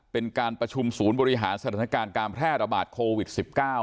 เป็นการประชุมศูนย์บริหารสถานการณ์การแพร่ระบาดโควิด๑๙